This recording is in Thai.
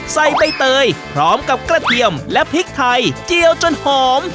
ใบเตยพร้อมกับกระเทียมและพริกไทยเจียวจนหอม